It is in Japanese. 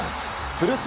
古巣